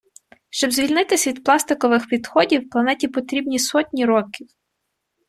Щоб звільнитися від пластикових відходів, планеті потрібні сотні років.